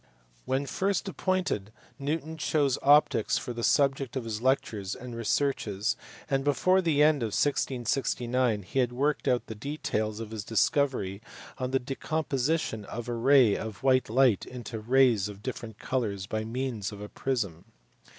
When first appointed Newton chose optics for the subject of his lectures and researches, and before the end of 1669 he had worked out the details of his discovery of the decompo sition of a ray of white light into rays of different colours by means of a prism.